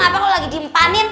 apa kau lagi dimpanin